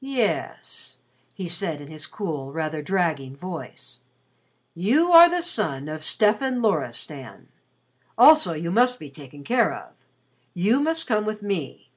"Yes," he said in his cool, rather dragging voice. "You are the son of Stefan Loristan. Also you must be taken care of. You must come with me.